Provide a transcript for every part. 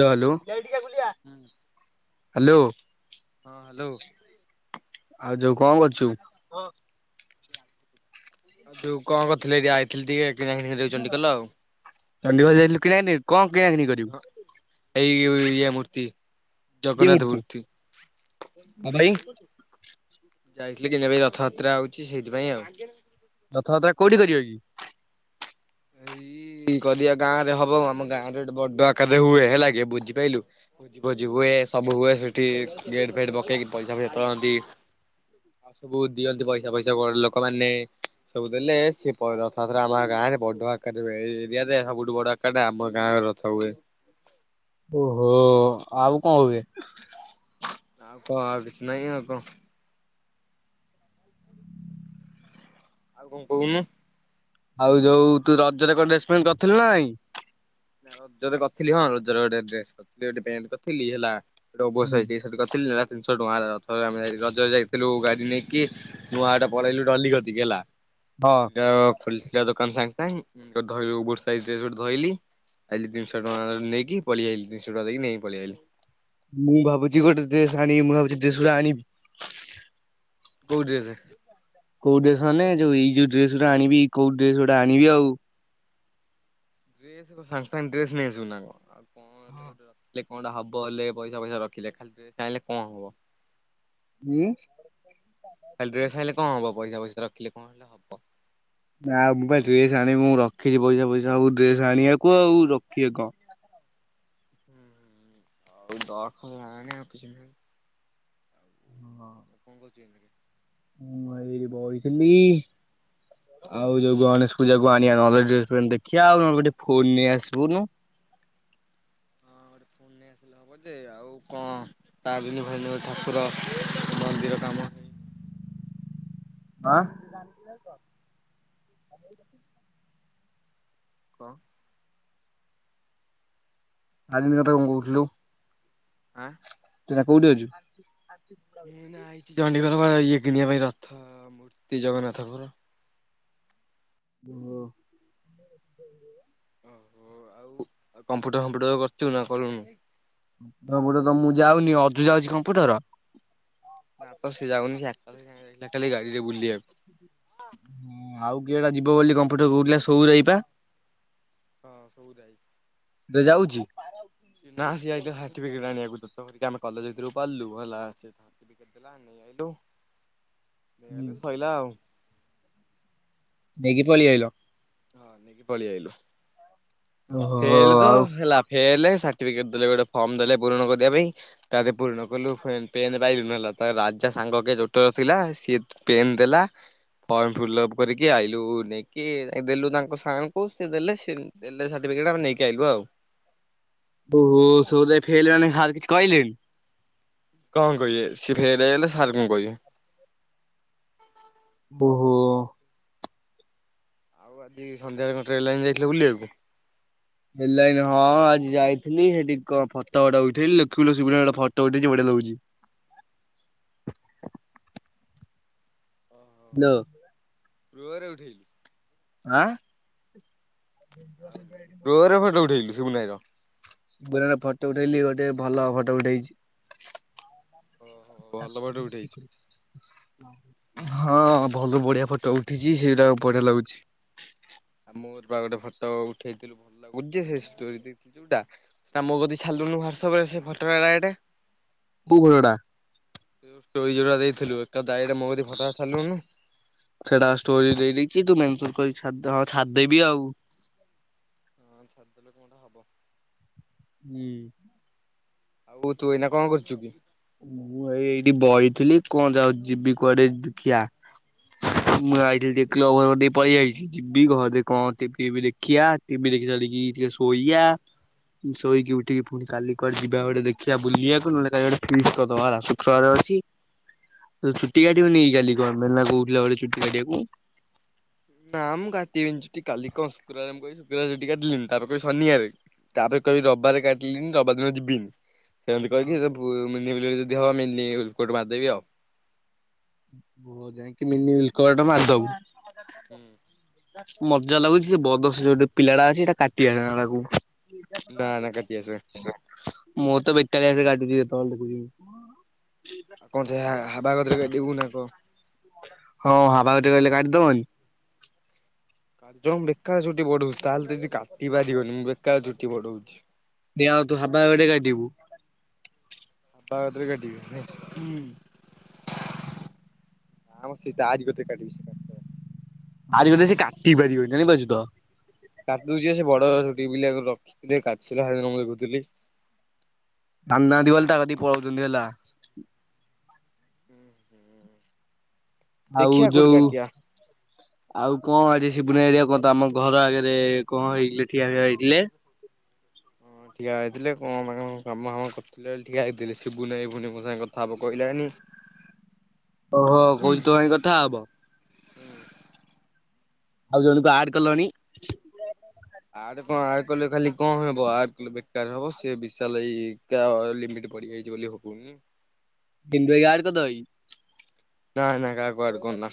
Hello hello. Hello ହୁଁ hello. ହଁ hello. ଆଉ ଯୋଉ କଣ କରୁଛୁ? ଆଉ ତୁ କଣ କରୁଥିଲୁ ଏଇଠି ଆଇଥିଲି ଟିକେ କିଣା କିଣି କରିବାକୁ ଚଣ୍ଡିଖୋଲ ଆଉ। ଚଣ୍ଡିଖୋଲ ଯାଇଥିଲୁ କିଣା କିଣି କରିବାକୁ କଣ କିଣା କିିଣି କରିବୁ? ଏଇ ଇଏ ମୂର୍ତ୍ତି। ଜଗନ୍ନାଥ ମୂର୍ତ୍ତି। ଆଉ ଭାଇ ଯାଇଥିଲି କିଣିବା ପାଇଁ ରଥଯାତ୍ରା ହଉଛି ସେଇଥିପାଇଁ ଆଉ। ରଥଯାତ୍ରା କୋଉଠି କରିବ କି? ଏଇ କରିବା ଗାଁ ରେ ହବ ଆମ ଗାଁ ରେ ଗୋଟେ ବଡ ଆକାରରେ ହୁଏ। ହେଲା କି ବୁଝିପାଇଲୁ। ଭୋଜି ଫୋଜି ସବୁ ହୁଏ ସେଠି ଗେଟ୍ ଫେଟ ପକେଇକି ପଇସା ଫଇସା ତୋଳାନ୍ତି। ଆଉ ସବୁ ଦିଅନ୍ତି ପଇସା ଫଇସା ବ ଲୋକମାନେ। ସବୁ ଦେଲେ ସଏ ରଥଯାତ୍ରା ଆମ ଗାଁରେ ବଡ ଆକାରରେ ଏଇ ଏରିଆରେ ସବୁଠୁ ବଡ ଆକାରରେ ଆମ ଗାଁରେ ରଥ ହୁଏ। ଓହୋ ଆଉ କଣ ହୁଏ? ଆଉ କଣ ଆଉ କିଛି ନାଇ ଆଉ କଣ। ଆଉ କଣ କହୁନୁ। ଆଉ ଯୋଉ ତୁ ରଜରେ କଣ ଡ୍ରେସ ପଣ୍ଟ କରିଥିଲୁ ନା ନାଇଁ? ରଜରେ କରିଥିଲି। ହଁ ରଜର ଗୋଟେ ଡ୍ରେସ କରିଥିଲି ଗୋଟେ ପ୍ୟାଣ୍ଟ କରିଥିଲି ହେଲା। ବସ ହେଇଛି ସେଠି କରିଥିଲି ତିନିଶହ ଟଙ୍କା ରଥ ଆମେ ରଜ ଯାଇଥିଲୁ ଗାଡି ନେଇକି। ନୂଆହାଟ ପଳେଇଲୁ ଡଲି କତିକି ହେଲା। ହଁ [unintelligible] ଖୋଲିଥିଲା ଦୋକାନ ସାଙ୍ଗେ ସାଙ୍ଗେ ଗୋଟେ ଓଭରସାଇଜ୍ ଗୋଟେ ଧଇଲି। ଆଇଲି ତିିନି ଶହ ଟଙ୍କା ନେଇକି ପଳେଇଲି ତିିନିଶହ ଟଙ୍କା ଦେଇକି ନେଇ ପଳେଇଲି। ମୁଁ ଭାବୁଛି ଗୋଟେ ଡ୍ରେସ ଆଣି ମୁଁ ଭାବୁଛି ଡେସ ଗୁଡା ଆଣି କୋଉ ଡ୍ରେସ୍ କୋଉ ଡ୍ରେସ ମାନେ ଯୋଉ ଏଇ ଯୋଉ ଡ୍ରେସ୍ ଗଟା ଆଣିବି କଉ ଡ୍ରେସ ଗୁଟା ଆଣିବି ଆଉ। ଡ୍ରେସ କଣ ସାଙ୍ଗେ ସାଙ୍ଗେ ଡ୍ରେସ୍ ନେଇ ଆସିବୁ ନା ଆଉ କଣ। କଣଟା ହବ ହେଲେ ପଇସା ପଇସା ରଖିଲେ ଖାଲି ଚାହିଁଲେ କଣ ହବ। ହଁ। ଖାଲି ଡ୍ରେସ ଆଣିଲେ କଣ ହବ ପଇସା ପଇସା ରଖିଲେ କଣ ହେଲେ ହବ। ନା ମୁଁ ପାଇଁ ଡ୍ରେସ ଆଣିବି ମୁଁ ରଖିଛି ପଇସା ପଇସା ଆଉ ଡ୍ରେସ ଆଣିବାକୁ ଆଉ ରଖିବେ କଣ। ହୁଁ ଆ ଦେଖ କିଛି। ହଁ। ଆଉ କଣ କରୁଛି? ହଁ ଏଇଠି ବସିଥିଲି। ଆଉ ଯୋଉ ଗଣେଶ ପୂଜାକୁ ଆଣିବା ନହେଲେ ଡ୍ରେନ ଦେଖିବା ଆଉ ନହେଲେ ଗୋଟେ ଫୋନ ନେଇ ଆସିବୁନୁ। ହଁ ଗୋଟେ ଫୁନେ ହବ ଯେ ଆଉ କଣ ତା ଦିନ ଭୀ ଠାକୁର ମନ୍ଦିର କାମ ଆଁ। [inaudible] [unintelligible] କଁ। ଆଲିମ କଥା କଣ କହୁଥିଲୁ? ହଁ ତୁ ଏଇନା କଉଠି ଅଛୁ? ମୁଁ ଏଇନା ଆଇଛି ଚଣ୍ଡିଗର ବା ଇଏ କିଣିବା ପାଇଁ ରଥ ମୂର୍ତ୍ତି ଜଗନ୍ନାଥଙ୍କର। ଓ। ଓହୋ ଆଉ କମ୍ପ୍ୟୁଟର ଫମ୍ପ୍ୟୁଟର କରିଛୁ ନା କଲୁନୁ। କମ୍ପ୍ୟୁଟର ତ ମୁଁ ଯାଉନି ଅଜୁ, ଯାଉଛି କମ୍ପ୍ୟୁଟର। ନା ତ ସେ ଯାଉନି ଏକାଗଲା ଗାଡି ରେ ବୁଲି ବାକୁ। ହଁ ଆଉ କିଏଟା ଯିବ ବୋଲି କମ୍ପ୍ୟୁଟର କହୁଥିଲା ସଉରାଇ ପା। ହଁ ସବୁ ଯାଇ। ସେ ଯାଉଛି। ନା ସେ ଯାଇଥିଲା ସାର୍ଟିଫିକେଟ୍ ଆଣିବାକୁ ଆମ କଲେଜ ଭିତକୁ ପଲୁ ହେଲା ସେ ସାର୍ଟିଫିକେଟ ନେଇ ଆଇଲୁ ନେଇ ଆଇଲୁ ଶୋଇଲା ଆଉ। ନେଇେକି ପଳେଇ ଆଇଲୋ। ହଁ ନେଇକି ପଳେଇ ଆଇଲୁ ଓହୋ ଫେଲ୍‌ ତ ଆଉ ହେଲା ଫେଲ ସାଟିପିକେଟ ଦେଲେ ଗୋଟେ ଫର୍ମ ଦେଲେ ପୂରଣ କରିବା ପାଇଁ। ତାର ପୂରଣ କଲୁ ପେନ୍ ପାଇଲୁନୁ ହେଲା ତ ରାଜା ସାଙ୍ଗ କେ ଜୋଟର ଥିଲା ସିଏ ପେନ୍ ଦେଲା ଫର୍ମ ଫିଲ୍ଅପ କରିକି ଆଇଲୁ ନେଇକି ଦେଲୁ ତାଙ୍କ ସାଙ୍ଗଙ୍କୁ ସେ ଦେଲେ ସେ ଦେଲେ ସାର୍ଟିଫିକେଟ୍ ଆମେ ନେଇକି ଆଇଲୁ ଆଉ। [unintelligible] କଣ କହିବେ ସି ଫେଲ ହେଇଗଲେ ସାର୍ କଣ କହିବେ? ଓହୋ। ଆଉ ଆଜି ସନ୍ଧ୍ୟାାରେ କଁ ଟ୍ରେନ୍ ଲାଇନ୍ ଯାଇଥିଲେ ବୁଲିବାକୁ। ହେଲାନି ହଁ ଆଜି ଯାଇଥିଲି ସେଠି କଣ ଫଟ ଗୋଡା ଉଠେଇଲି ଖୁ ଗୋଟେ ଫଟୋ ଉଠେଇଛି ବଢିଆ ଲାଗୁଛି। ଓହୋ। ଲୋ। ରୁହରେ ଉଠେଇଲି। ଆଁ। ଆଉ ଡୋରେ ଫଟୋ ଉଠେଇଲୁ ଶୁଭୁନାଇର। ବୁରା ର ଫଟୋ ଉଠେଇଲି ଗୋଟେ ଭଲ ଫଟୋ ଉଠେଇଛି। ଓହୋ ଭଲ ଫଟୋ ଉଠେଇଛୁ। [inaudible] ହଁ ଭଲ ବଢିଆ ଫଟୋ ଉଠିଛି ସେଇଟା ଆ ବଢିଆ ଲାଗୁଛି। ଆଉ ମୋର ବା ଗୋଟେ ଫଟୋ ଉଠେଇଥିଲୁ ଭଲ ଲାଗୁ ଯେ ସେ ଷ୍ଟୋରି ଦେଇଥିଲ ଯୋଉଟା। ତା ମୋ କତିକି ଛାଲୁନୁ ହ୍ୱାଟସଆପ ରେ ସେ ଫଟୋ ଏଟା। କୋଉ ଫଟଟା? ତୁ ଜୁ ଷ୍ଟରି ଯୋଟା ଦେଇଥିଲୁ ଏକା ଦାଈଟା ମୋ ଫଟା ଛାରିଲୁନୁ। ସେଟା ଷ୍ଟୋରି ଦେଇଦେଇଛି ତୁ ମେନସନ୍ କରି ଛା ହଁ ଛାଡିଦେବି ଆଉ। ହଁ ଛାଡ଼ିଦେଲେ କୋଣଟା ହବ? ହୁଁ। ଆଉ ତୁ ଏଇନା କଣ କରଛୁ କି? ମୁଁ ଏଇ ଏଇଠି ବଇଥିଲି କଣ ଯାଉ ଯିବି କୁଆଡେ ଦେଖିଆ। ମୁଁ ଆଇଥିଲି ଟିକେ କ୍ଲଭର ପଡି ଯାଇଛି। ଯିବି ଘରେ କଣ ଟିଭି ଦେଖିବା ଟିଭି ଦେଖି ସାରିକି ଟିକେ ଶୋଇଆ। ଶୋଇକି ଉଠିକି ପୁଣି କାଲି କୁଆଡେ ଯିବା ଗୋଟେ ଦେଖିବା ବୁଲିବାକୁ ନହେଲେ କାଲି ଗୋଟେ ଫିଷ୍ଚ କରିଦବା ହେଲା ଶୁକ୍ରବାର ଅଛି। ତ ଚୁଟି କାଟିବୁନି କି କାଲି କଣ ମେନା କହୁଥିଲାବେଳେ ଚୁଟି କାଟିବାକୁ। ନାଁ ମୁଁ କାଟିବିନି ଚୁଟି କାଲି କଣ ଶୁକ୍ରବାର ମୁଁ କହିଲି ଶୁକ୍ରବାର ଚୁଟି କାଟିଲିନି ତାପରେ କ ଶନିବାରେ। ତାପରେ କହିବି ରବିବାରେ କାଟିଲିନି ରବିବାରେ ଦିନ ଯିବିନି। ସେମିତି କହିକି ସେ ବୁ ମୀ ଯଦି ହବା ମିନି କୋଟ ମାରିଦେବି ଆଉ। ହୋ ଯାଇକି ମିନିମିଲ୍ କବାଟ ଟା ମାରିଦୋବୁ। ହୁଁ। ମଜା ଲାଗୁଛି ସେ ବଦସ ଯୋଉଟେ ପିଲା ଟା ଅଛି ସେଇଟା କାଟି ନା ନା କାଟି ଆସେ ଆଣିବାକୁ। ମୁଁ ତ ବେତାଳିଆ ସେ ଡ଼ାକୁଛି ଯେତେବେଳେ ଦେଖୁଛି। ଆଉ କଣ ସେ ହା ହାବା କତିରେ ଗାଧେଇବୁ ନା କଣ? ହଁ ହାବା କତିରେ ରହିଲେ କାଟିିଦବନି। ତାହାଲେ ତ ମୁଁ ବେକାର ଚୁଟି ବଢୋଉଛି ତାହେଲେ ଯଦି କାଟି ପାରିବନି ମୁଁ ବେକାର ଚୁଟି ବଢଉଛି। ସେଇଆ ଆଉ ତୁ ହବା ବଡେ କାଟିବୁ। କାହା କତୀରେ କାଟିବି? ହୁଁ। ନାଁ ମ ସେଇ ତାରି କତିରେ କାଟିବି। ସେ କାଟିଦବ। ଆରି କତିରେ ସେ କାଟି ପାରିବନି ଜାଣିପାରୁଚୁ ତ। କାଟିଦୋଉଛି ବା ସେ ବଡ ଚୁଟି ରଖିଥିଲେ କାଟୁଥିଲା ହେଦିନ ମୁଁ ଦେଖୁଥିଲି। ଆଣୁନାହାନ୍ତି ବୋଲି ତା କତିକି ପଲୋଉଥିଲି ହେଲା। ହୁଁ ହୁଁ। ଆଉ ଯୋଉ ଆଉ କଣ ଆଜି ସିବୁନ ହେରିକା କଣ ତ ଆମ ଘର ଆଗରେ କଣ ହେଇଥିଲେ ଠିଆ ଠା ହେଇଥିଲେ। ହଁ ଠିଆ ହେଇଥିଲେ କଣ ତାଙ୍କ କାମ ଫାମ କରିଥିଲେ ଠିଆ ହେଇଥିଲେ ସିବୁନ ମୋ ସାଙ୍ଗେ କଥା ହେବ କହିଲାଣି। ଓହୋ କହୁଛି ତୋ ଭାଇ କଥା ହବ? ଆଉ ଜଣକୁ ଆଡ କଲଣି। ଆଡ୍ କଣ ଆଡ କଲେ ଖାଲି କଣ ହବ ଆର କହିଲ ବେକାର ହବ ସେ ବିଷାଲ ସେ ବିଶାଲ ହାତ ଲିମିଟ୍ ବଢିଯାଇଛି ବୋଲି ହବନି। [unintelligible] ଭାଇ ଗାଁ ରେ ଦହି। ନାଇଁ ନାଇ କାହାକୁ ଆଡ କରନା।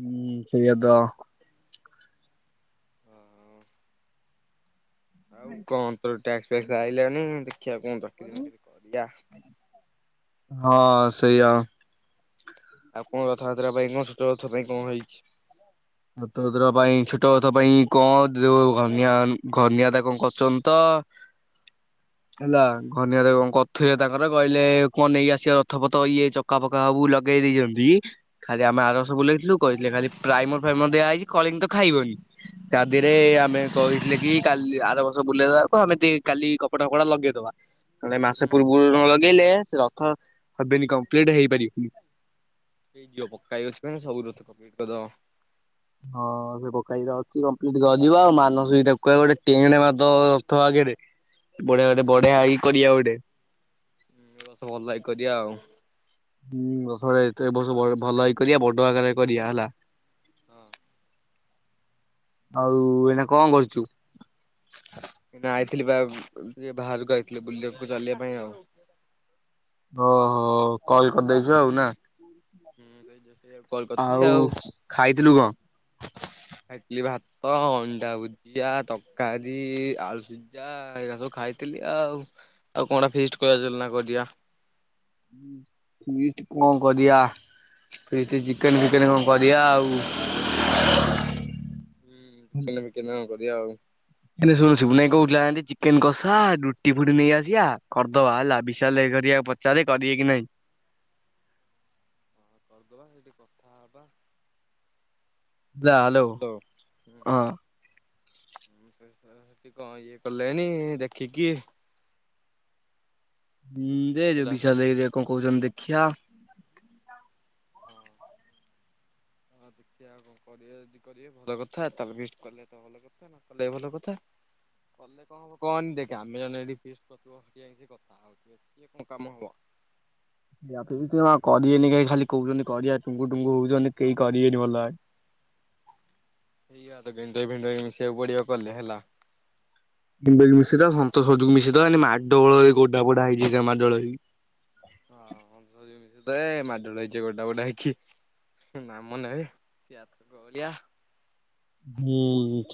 ହୁଁ ସେଇଆ ତ। ହଁ। ଆଉ କଣ ତୋର ଟ୍ୟାକ୍ସ ଫ୍ୟାକ୍ସ ଆଇଲାନି ଦେଖିବା କଣ ଚାକିରି ବାକିରି କରିବା। ହଁ ସେଇଆ। ଆଉ କଣ ରଥଯାତ୍ରା ପାଇଁ କଣ ଛୋଟ ରଥ ପାଇଁ କଣ ହେଇଛି? ହତର ପାଇଁ ଛୋଟକଥା ପାଇଁ କଣ ଯୋଉ ଘନିଆ ଯୋଉ ଘନିଆ ଦା କଣ କରଛନ୍ତି ତ ହେଲା ହୁଁ ଘନିଆଦା କଣ କ ଥିଲେ ତାଙ୍କର କହିଲେ କଣ ନେଇକି ଆସିବା ରଥପଥ ଇଏ ଚକା ଫକା ସବୁ ଲଗେଇ ଦେଇଛନ୍ତି ଖାଲି ଆମେ ଆରବର୍ଷ ବୁଲେଇଥିଲୁ କହିଥିଲେ ଖାଲି ପ୍ରାଇମର ଫେମ ଦିଆ ହେଇଛି କଳିଙ୍ଗ ତ ଖାଇବନି ତା ଦେହରେ ହୁଁ ଆମେ କହିଥିଲେ କି କାଲି ଆର ବର୍ଷ ବୁଲେଇଦେବାକୁ ଆମେ କେ କାଲି କପଡ଼ା ଫପଡ଼ା ଲଗେଇଦବା। କେ ହୁଁ ମାସ ପୂର୍ବରୁ ନ ଲଗେଇଲେ ସେ ରଥ ହବେନି କମ୍ପ୍ଲିଟ ହେଇପାରିବେନି। ଦେଇଦିଏ ପକ୍କା ଭାଇ ଅଛି ମାନେ ସବୁ ରଥ କଂପ୍ଲିଟ୍ କରିଦବ। ହଁ ସେ ପକ୍କା ଭାଇ ତ ଅଛି କମ୍ପ୍ଲିଟ କରିିବ ଆଉ ମାନସ ବି ତାକୁ କହିବ ଗୋଟେ ଟେଣ୍ଟ ମାରିଦବ ରଥ ଆଗରେ। ବଢିଆ ଗୋଟେ ହୁଁ ବଢିଆ ହେଇ କରିବା ଗୋଟେ। ଏଇ ବର୍ଷ ଭଲକି କରିବା ଆଉ। ହୁଁ ରଥଯାତ୍ରା ଏ ତ ବର୍ଷ ଭ ଭଲକି କରିବା ବଡ ଆକାରରେ କରିବା ହେଲା। ହଁ। ଆଉ ଏଇନା କଣ କରୁଛୁ? ଏଇନା ଆଇଥିଲି ବା ଟିକେ ବାହାରକୁ ଆଇଥିଲି ବୁଲିବାକୁ ଚାଲିବା ପାଇଁ ଆଉ। ଓହୋ କଲ କରିଦେଇଛୁ ଆଉ ନା। ହୁଁ ସେଇ ଯୋଉ ସେଇଆକୁ କଲ କରିଥିଲି ଆଉ। ଖାଇଥିଲୁ କଣ? ଖାଇଥିଲି ଭାତ ଆଉ ଅଣ୍ଡା ଭୁ ଜିଆ, ତରକାରୀ, ଆଳୁ ସଜା, ଏଇଆ ସବୁ ଖାଇଥିଲି ଆଉ ଆଉ କଣ ଫିଷ୍ଟ କଅ ଚାଲୁନା କରିବା। ଫିଷ୍ଟି କଣ କରିବା ଫିଷ୍ଟ ଚିକେନ ଫିକେନ କଣ କରିବା ଆଉ ହୁଁ ଚିକେନ ଫିକେନ କଣ କରିବା ଆଉ। ଏଇନା ସବୁ ଶିବୁନ ଭାଇ କୋହୁଥୁଲା ହେମତି ଚିକେନ କଷା ରୁଟି ଫୁଟି ନେଇ ଆସିବା କରିଦବା ହେଲା ବିଶାଲ ଭାଇ ହରିକା ପ ଚାରେ କରବେ କି ନାହିଁ। କରଦବା ହେଇଠି କଥା ହବା। ହେଲା ହ୍ୟାଲୋ ହାଲୋ ହୁଁ। ହଁ। [inaudible] କହିବ ହେଠି କଣ ଇଏ କଲେଣି ଦେଖିକି। ହୁଁ ଯେ ଯୋଉ ହେଲା। ବିଶାଲ ଭାଇ ହରିକା କଣ କୋହୁଚନ୍ତି ଦେଖିଆ। ହଁ। ହଁ ଦେଖିଆ କଣ କରିବେ। ଯଦି କରିବେ ଭଲ କଥା ତାହଲେ ଫିଷ୍ଟ କଲେ ତ ଭଲ କଥା ନ କଲେ ଭଲ କଥା। କଲେ କଣ ହବ କହନି ଦେଖେ ଆମେ ମାନେ ଏଠି ଫିଷ୍ଟ କରୁଥୁବ ହେଠି ଯାଇକି କଥା ହୋଉଥୁବେ ଇଏ କଣ କାମ ହବ। ଲାଗୁଚି ଜମା କରିବେନି କାଇଁ ଖାଲି କୋହୁଚନ୍ତି କରିବା ଟୁଙ୍କୁ ଟୁଙ୍କୁୁ ହୋଉଚନ୍ତି କେହି କରିବେନି ଭଲ ଭାବେ। ହେଇଆ ତ [unintelligible] ମିଶିବାକୁ ପଡିବ କଲେ ହେଲା। [unintelligible] ମିଶେଇ ଦବା ସନ୍ତସ [unintelligible] କୁ ମିଶେଇ ଦବା ଏନେ ମାଡଗୋଳୋ ଏ ଗଡା ପଡା ହେଇଯିବେ କେ ମାଡୋଗୋଳ ହେଇକି। ହଁ [unintelligible] ମିଶେଇଦେ ମାଡଗୋଳ ହେଇଯିବେ ଗଡା ପଡା ହେଇକି ନାମ ନେବେ। ଗୋଲିଆ ହୁଁ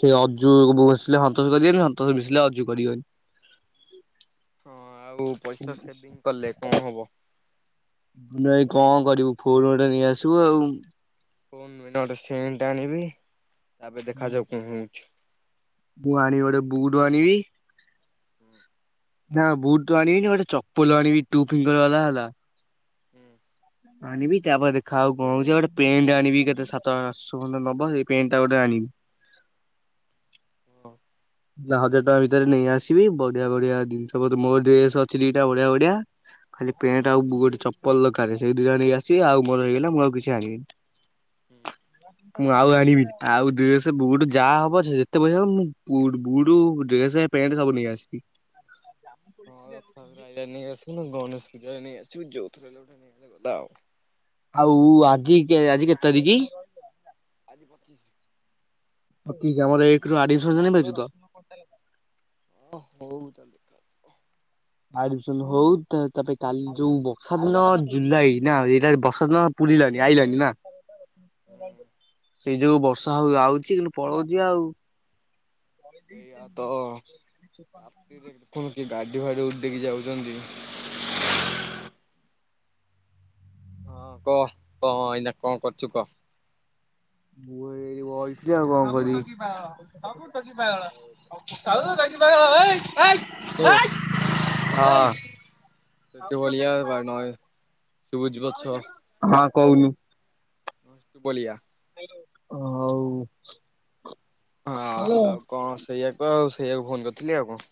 ସେ ଅଜୁ ବସିଲେ ସନ୍ତୋଷ କରିବନି ସନ୍ତୋଷ ମିଶିଲେ ଅଜୁ କରିବନି। ହ ହଁ ଆଉ ପଇସା ସେଭିଂ କଲେ କଣ ହବ। ନାଇଁ କଣ କରିବୁ ଫୋନ ଗୋଟେ ନେଇ ଆସିବୁ ଆଉ। ଫୋନ ନୁହେଁ ଏନା ଗୋଟେ ସେଣ୍ଟଟା ଆଣିବି ତାପରେ ହୁଁ। ଦେଖାଯାଉ କଣ ହୋଉଚି। ମୁଁ ଆଣିବି ଗୋଟେ ବୁଟୁ ଆଣିବି। ହୁଁ। ନା ବୁଟ ତ ଆଣିବିନି ଗୋଟେ ଚପଲ ଆଣିବି ଟୁ ଫିଙ୍ଗର ବାଲା ହେଲା। ହୁଁ। ଆଣିବି ତାପରେ ଦେଖାଯାଉ କଣ ହୋଉଚି ଆଉ ଗୋଟେ ପେଣ୍ଟ ଆଣିବି କେତେ ସାତ ଆଠଶ ଖଣ୍ଡେ ନବ ସେ ପେଣ୍ଟା ଗୋଟେ ଆଣିବି। ଓ। ଯା ହଜାର ଟଙ୍କା ଭିତରେ ନେଇ ଆସି ବି ବଢିଆ ବଢିଆ ଦିନଷ ମୋର ଡ୍ରେସ ଅଛି ଦିଟା ବଢିଆ ବଢିଆ ଖାଲି ପେଣ୍ଟେ ଆଉ ବୁ ଗୋଟେ ଚ ପଲ ଦରକାରେ ସେଇ ଦୁଇ ଆଣିକି ଆସି ଆଉ ମୋର ହେଇଗଲା ମୁଁ ଆଉ କିଛି ଆଣିବିନି। ହୁଁ। ମୁଁ ଆଉ ଆଣିବିନି ଆଉ ଡ୍ରେସେ ବୁଟୁ ଯାହା ହବ ସେ ଯେତେ ପଇସା ହୋଉ ମୁଁ ବୁଟ ବୁଟୁ, ଡ୍ରେସ, ପେଣ୍ଟ, ସବୁ ନେଇ ଆସିବି। ହଁ ରଥଯାତ୍ରା ଆଇଲା ନେଇଆସୁନୁ ଗଣେଶ ପୂଜାକୁ ନେଇ ଆସିବୁ ଯୋଉଥିରେ ହେଲେ ଗୋଟେ ନେଇ ଆଇଲେ ଗଲ ଆଉ। ଆଉ ଆଜି କେ ଆଜି କେତେ ତାରିକ? ଆଜି ପଚିଶ। ପଚିଶ ଆମର ଏକେରୁ ଆଡମିସନ ଜାଣିପାରୁଚୁ ତ। ଅ ହୋଉ ତାହେଲେ। ଆଡମିସନ ହୋଉ ତା ତାପରେ କାଲି ଯୋଉ ବର୍ଷାଦିନ ଜୁଲାଇ ନା ଏରା ବର୍ଷାଦିନ ପୁରିଲାଣିି ଆଇଲାଣି ନା। ସେଇ ଯୋଗୁ ବର୍ଷା ହୋଉ ଆଉଚି କିନ୍ତୁ ପଳୋଉଚି ଆଉ। ଏଇଆ ତ ରାତିରେ ଦେଖୁନୁ କି ଗାଡି ଫାଡି ଉଡେଇକି ଯାଉଚନ୍ତି। ହଁ କହ କ ଏଇନା କଣ କରୁଚୁ କହ। ମୁଁ ଏଇଠି ବଇଥିଲି ଆଉ କଣ କରିବି। କାଉ କାଇିବା ଏଇ ଆ ହାଲୋ। ହଁ। ସେତୁ ବଳିଆ ଶୁଭୁଛି ପଛ। ହଁ କହୁନୁ। ହଁ ଶୁଭ ଲିଆ। ହଉ। ହଁ ଆ-ଆଉ କଣ ସେଇଆକୁ ଆଉ ସେଇଆକୁ ଫୋନ କରିଥିଲି ଆଉ କଣ।